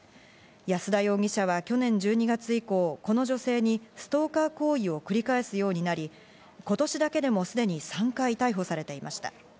安田容疑者は去年１２月以降、この女性にストーカー行為を繰り返すようになり、今年だけでもすでに３回逮捕されていました。